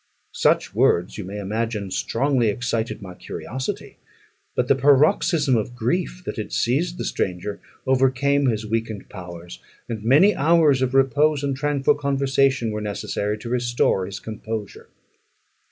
Such words, you may imagine, strongly excited my curiosity; but the paroxysm of grief that had seized the stranger overcame his weakened powers, and many hours of repose and tranquil conversation were necessary to restore his composure.